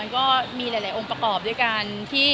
ก็มีหลายองค์ประกอบด้วยกัน